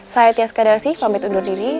saya tiaz kadersi pamit undur diri